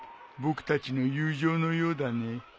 僕たちの友情のようだね。